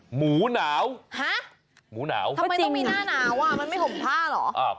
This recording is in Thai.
หมูหนาวหมูหนาวทำไมต้องมีหน้าหนาวอ่ะมันไม่ห่มผ้าเหรอ